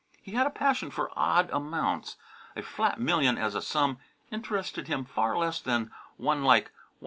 He had a passion for odd amounts. A flat million as a sum interested him far less than one like $107.